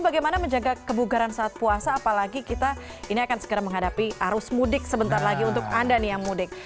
bagaimana menjaga kebugaran saat puasa apalagi kita ini akan segera menghadapi arus mudik sebentar lagi untuk anda nih yang mudik